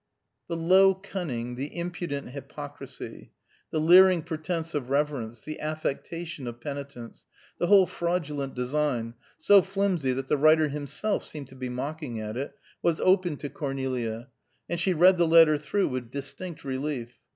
The low cunning, the impudent hypocrisy, the leering pretence of reverence, the affectation of penitence, the whole fraudulent design, so flimsy that the writer himself seemed to be mocking at it, was open to Cornelia, and she read the letter through with distinct relief.